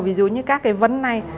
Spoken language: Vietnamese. ví dụ như các cái vấn này